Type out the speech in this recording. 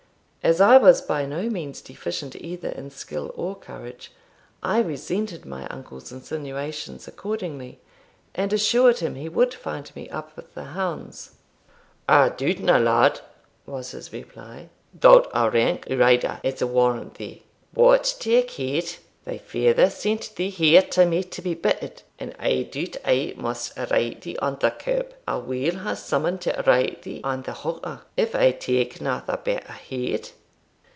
As I was by no means deficient either in skill or courage, I resented my uncle's insinuation accordingly, and assured him he would find me up with the hounds. "I doubtna, lad," was his reply; "thou'rt a rank rider, I'se warrant thee but take heed. Thy father sent thee here to me to be bitted, and I doubt I must ride thee on the curb, or we'll hae some one to ride thee on the halter, if I takena the better heed."